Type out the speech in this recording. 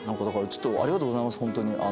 だからちょっとありがとうございますホントに。